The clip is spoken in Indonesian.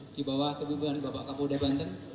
di bawah kepimpinan bapak kapoldo banten